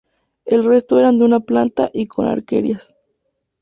El resto eran de una planta y con arquerías.